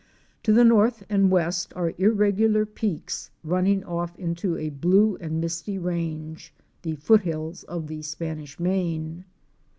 To the north and west are irregular peaks running off into a blue and misty range — the foot hills of the Spanish Main.